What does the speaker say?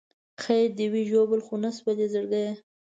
خیر دې وي ژوبل خو نه شولې زړګیه.